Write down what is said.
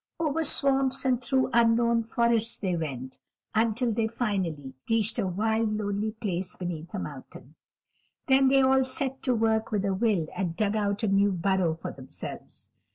Over swamps, and through unknown forests they went, until they finally reached a wild, lonely place beneath a mountain. Then they all set to work with a will and dug out a new burrow for themselves.